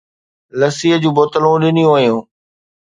لسي جون بوتلون ڏنيون ويون.